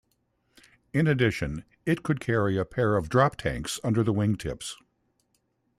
In addition it could carry a pair of drop tanks under the wingtips.